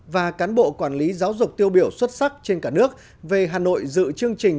và cán bộ quản lý giáo dục tiêu biểu xuất sắc trên cả nước về hà nội dự chương trình